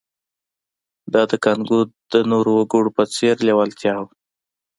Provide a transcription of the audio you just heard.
دا د کانګو د نورو وګړو په څېر لېوالتیا وه